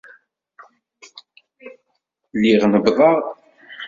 Lliɣ nebbḍeɣ.